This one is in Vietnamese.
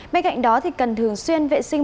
bên cạnh đó thì cần thường xuyên vệ sinh